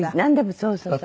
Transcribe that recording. そうそうそう。